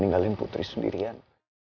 ninggalin putri sendirian